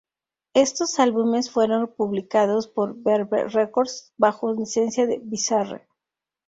Estos álbumes fueron publicados por Verve Records bajo licencia de Bizarre.